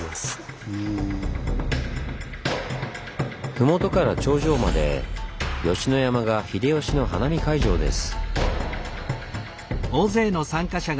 麓から頂上まで吉野山が秀吉の花見会場です。